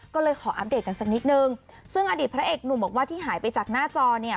ก็เลยขออัปเดตกันสักนิดนึงซึ่งอดีตพระเอกหนุ่มบอกว่าที่หายไปจากหน้าจอเนี่ย